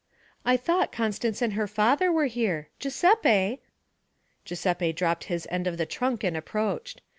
'I thought Constance and her father were here Giuseppe!' Giuseppe dropped his end of a trunk and approached.